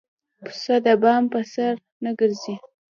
پسه د بام پر سر نه ګرځي.